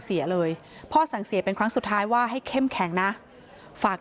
เสียเลยพ่อสั่งเสียเป็นครั้งสุดท้ายว่าให้เข้มแข็งนะฝาก